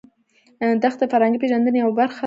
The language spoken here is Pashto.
دښتې د فرهنګي پیژندنې یوه برخه ده.